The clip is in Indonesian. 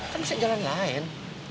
kan bisa jalan lain